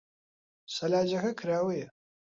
سەلاجەکە کراوەیە.